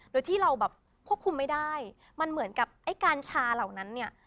โดยที่เราแบบควบคุมไม่ได้มันเหมือนกับไอ้การชาเหล่านั้นเนี่ย